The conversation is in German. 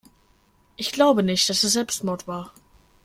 Ich glaube nicht, dass es Selbstmord war.